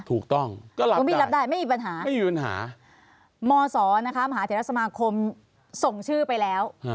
ถูกต้องก็รับได้ไม่มีปัญหามศวศสมาคมส่งชื่อไปแล้ว